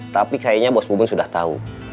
tapi kayaknya bos mubeng sudah tahu